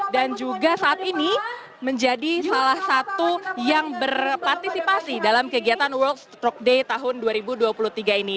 dan juga saat ini menjadi salah satu yang berpartisipasi dalam kegiatan world stroke day tahun dua ribu dua puluh tiga ini